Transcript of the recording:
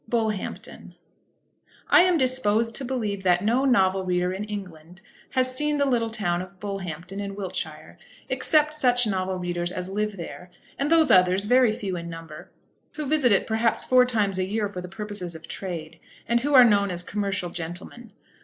I am disposed to believe that no novel reader in England has seen the little town of Bullhampton, in Wiltshire, except such novel readers as live there, and those others, very few in number, who visit it perhaps four times a year for the purposes of trade, and who are known as commercial gentlemen.